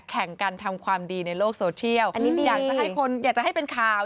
แข่งกันทำความดีในโลกโซเชียลอยากจะให้คนอยากจะให้เป็นข่าว